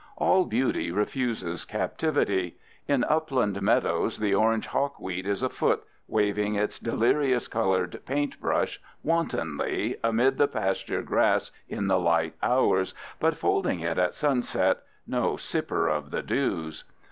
All beauty refuses captivity. In upland meadows the orange hawkweed is afoot, waving its delirious colored "paint brush" wantonly amid the pasture grass in the light hours, but folding it at sunset, no sipper of the dews.